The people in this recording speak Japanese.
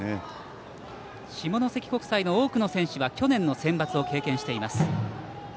下関国際の多く選手は去年のセンバツを経験しています。